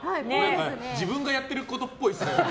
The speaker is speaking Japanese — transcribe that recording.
自分がやってることっぽいですね。